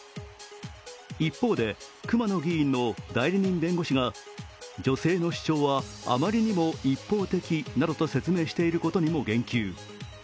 一方で、熊野議員の代理人弁護士が女性の主張はあまりにも一方的などと説明していることにも言及。